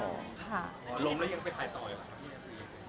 อ๋อล้มแล้วยังไปถ่ายต่ออย่างไรครับพี่